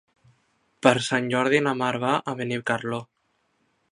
Per Sant Jordi na Mar va a Benicarló.